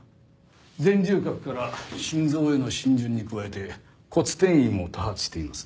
前縦隔から心臓への浸潤に加えて骨転移も多発しています。